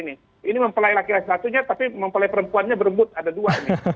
ini agak sulit ini ini mempelai laki laki satunya tapi mempelai perempuannya berebut ada dua